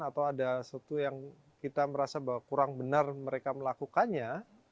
atau ada sesuatu yang kita merasa bahwa kurang benar mereka melakukannya